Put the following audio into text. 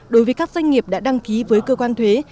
đối với các doanh nghiệp đã đăng ký với cơ quan thuế